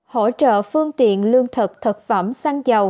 hỗ trợ phương tiện lương thực thực phẩm xăng dầu